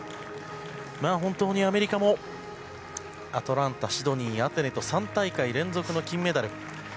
本当にアメリカもアトランタ、シドニーアテネと３大会連続の金メダル。